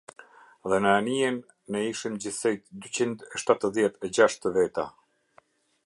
Dhe në anijen ne ishim gjithsej dyqind e shtatëdhjetë e gjashtë veta.